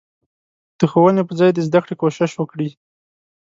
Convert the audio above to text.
د ښوونې په ځای د زدکړې کوشش وکړي.